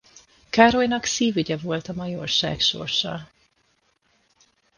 Károlynak szívügye volt a majorság sorsa.